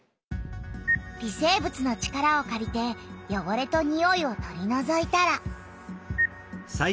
微生物の力をかりてよごれとにおいを取りのぞいたら。